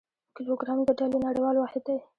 کیلوګرام د ډلي نړیوال واحد دی.